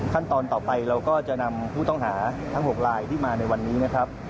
ขั้นตอนต่อไปเราก็จะนำผู้ต้องหาทั้ง๖ลายที่มาในวันนี้นะครับ